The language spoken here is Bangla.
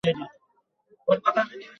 কোথায় এই গোরস্থানটা?